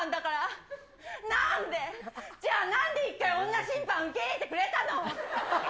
じゃあ、なんで一回、女審判受け入れてくれたの。